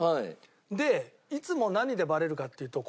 でいつも何でバレるかっていうと。